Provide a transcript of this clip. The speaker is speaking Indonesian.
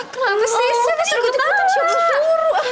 kena ngesesan seru ketawa